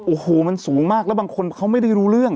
โอ้โหมันสูงมากแล้วบางคนเขาไม่ได้รู้เรื่อง